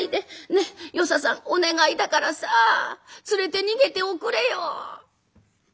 ねっ与三さんお願いだからさ連れて逃げておくれよ」。